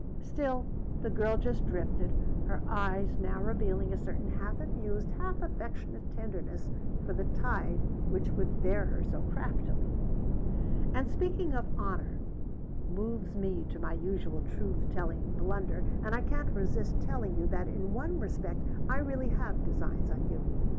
Still the girl just drifted, her eyes now revealing a certain half amused, half affectionate tenderness for the tide which would bear her so craftily. "And speaking of honor, moves me to my usual truth telling blunder, and I can't resist telling you that in one respect I really have designs on you.